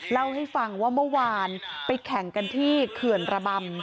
เล่าให้ฟังว่าเมื่อวานไปแข่งกันที่เขื่อนระบำ